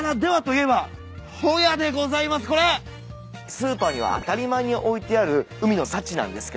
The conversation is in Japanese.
スーパーには当たり前に置いてある海の幸なんですけども。